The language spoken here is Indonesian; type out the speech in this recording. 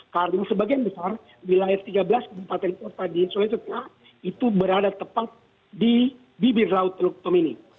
karena sebagian besar wilayah tiga belas keempat empat tadi itu berada tepat di bibir laut teluk tomini